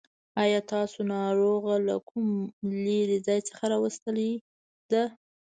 آيا تاسو ناروغه له کوم لرې ځای څخه راوستلې ده.